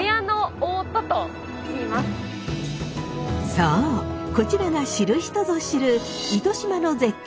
そうこちらが知る人ぞ知る糸島の絶景